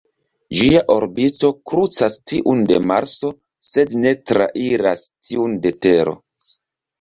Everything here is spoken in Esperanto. Ĝia orbito krucas tiun de Marso sed ne trairas tiun de Tero.